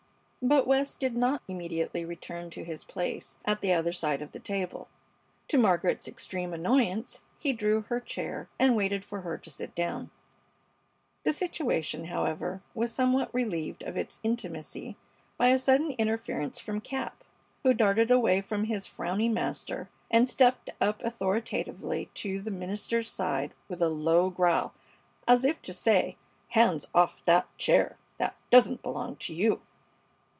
But West did not immediately return to his place at the other side of the table. To Margaret's extreme annoyance he drew her chair and waited for her to sit down. The situation, however, was somewhat relieved of its intimacy by a sudden interference from Cap, who darted away from his frowning master and stepped up authoritatively to the minister's side with a low growl, as if to say: "Hands off that chair! That doesn't belong to you!"